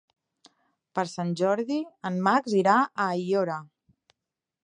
Per Sant Jordi en Max irà a Aiora.